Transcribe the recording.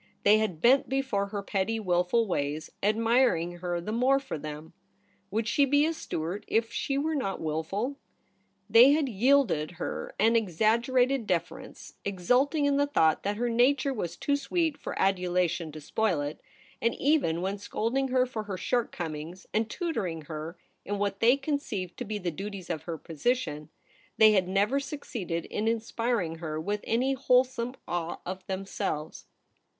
They had bent before her pretty wilful ways, ad mirinof her the more for them. Would she be a Stuart if she were not wilful ? They had yielded her an exaggerated deference, exulting in the thought that her nature was too sweet for adulation to spoil it ; and even when scolding her for her shortcomings, and tutoring her in what they conceived to be the duties of her position, they had never suc ceeded in inspiring her with any whole some awe of themselves.